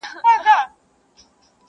ځئ چي باطل پسي د عدل زولنې و باسو.